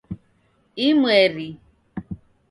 Imweri